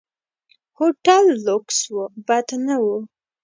هوټل لکس و، بد نه و.